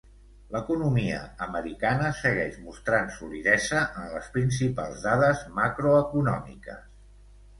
L'economia americana segueix mostrant solidesa en les principals dades macroeconòmiques.